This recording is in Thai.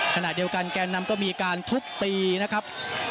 ขณะเดียวกันแกนนำก็มีการทุบตีนะครับ